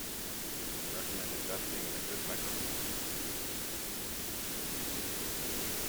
I recommend investing in a good microphone.